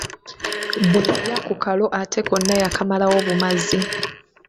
Bwe yalya ku kalo ate konna yakamalawo bumazi.